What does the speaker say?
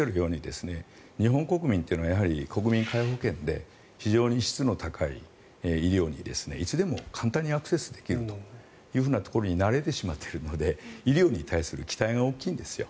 日本国民は国民皆保険で非常に質の高い医療にいつでも簡単にアクセスできるところに慣れてしまっているので医療に対する期待が大きいんですよ。